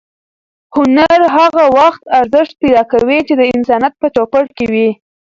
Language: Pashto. هنر هغه وخت ارزښت پیدا کوي چې د انسانیت په چوپړ کې وي.